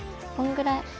こんぐらい？